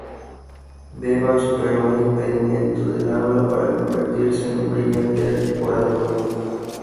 Bevan superó un impedimento del habla para convertirse en un brillante orador.